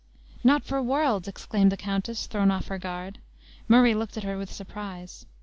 "Not for worlds!" exclaimed the countess, thrown off her guard. Murray looked at her with surprise.